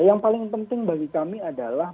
yang paling penting bagi kami adalah